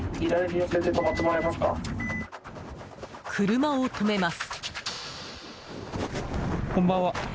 車を止めます。